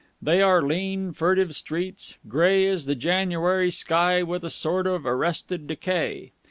They are lean, furtive streets, grey as the January sky with a sort of arrested decay.